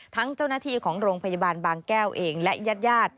เจ้าหน้าที่ของโรงพยาบาลบางแก้วเองและญาติญาติ